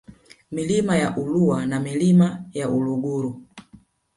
Milima ya Ulua na Milima ya Uluguru